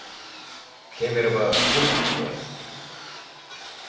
Кемерово — лучший город